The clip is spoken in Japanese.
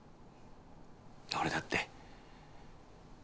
俺だって。